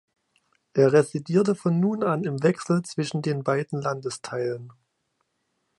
Er residierte von nun an im Wechsel zwischen den beiden Landesteilen.